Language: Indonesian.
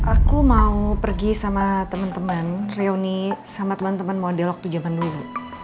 aku mau pergi sama temen temen reuni sama temen temen model waktu zaman dulu